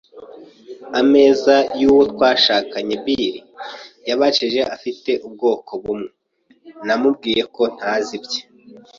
ameza y'uwo twashakanye Bill? ” yabajije afite ubwoko bumwe. Namubwiye ko ntazi ibye